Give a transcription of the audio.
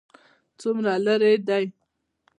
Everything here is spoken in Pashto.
څومره لیرې دی؟